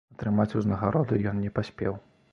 Атрымаць ўзнагароды ён не паспеў.